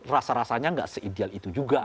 rasa rasanya nggak se ideal itu juga